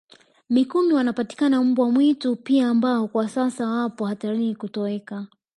Mikumi wanapatikana mbwa mwitu pia ambao kwa sasa wapo hatarini kutoweka